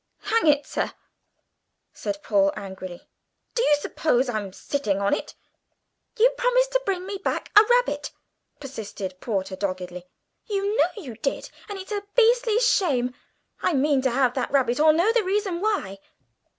"Hang it, sir," said Paul angrily, "do you suppose I'm sitting on it?" "You promised to bring me back a rabbit," persisted Porter doggedly; "you know you did, and it's a beastly shame. I mean to have that rabbit, or know the reason why."